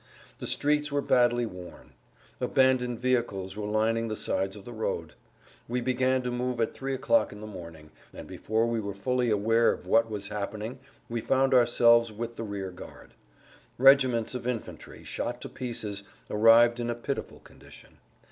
The streets were badly worn. Abandoned vehicles were lining the sides of the road. We began to move at three o'clock in the morning, and before we were fully aware of what was happening we found ourselves with the rear guard. Regiments of infantry, shot to pieces, arrived in a pitiful condition.